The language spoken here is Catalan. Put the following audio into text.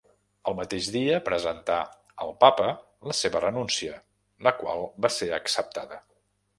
El mateix dia presentà al Papa la seva renúncia, la qual va ser acceptada.